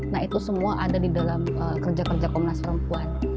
nah itu semua ada di dalam kerja kerja komnas perempuan